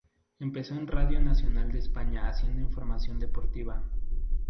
Empezó en Radio Nacional de España haciendo información deportiva.